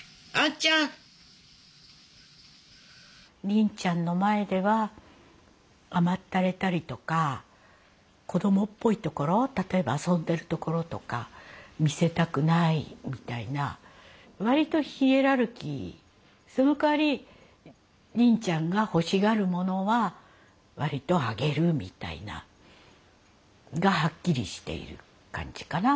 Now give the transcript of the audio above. りんちゃんの前では甘ったれたりとか子供っぽいところ例えば遊んでるところとか見せたくないみたいな割とヒエラルキーそのかわりりんちゃんが欲しがるものは割とあげるみたいながはっきりしている感じかな。